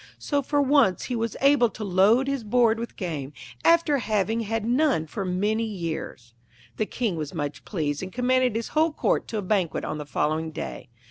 So for once he was able to load his board with game, after having had none for many years. The King was much pleased, and commanded his whole court to a banquet on the following day.